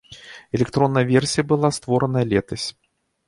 Электронная версія была створаная летась.